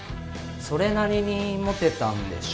それなりにモテたんでしょ。